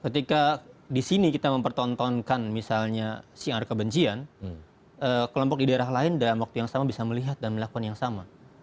ketika di sini kita mempertontonkan misalnya siar kebencian kelompok di daerah lain dalam waktu yang sama bisa melihat dan melakukan yang sama